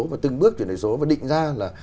và từng bước chuyển đổi số và định ra là